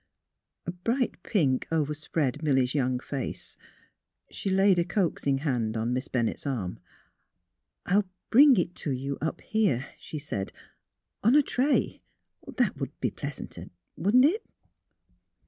A bright pink overspread Milly 's young face. She laid a coaxing hand upon Miss Bennett's arm. '' I — I'll bring it to you up here," she said, '' on — on a tray. That would be pleasanter; wouldn't it?